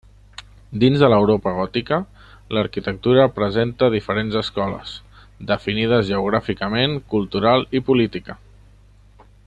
Dins de l'Europa gòtica, l'arquitectura presenta diferents escoles, definides geogràficament, cultural i política.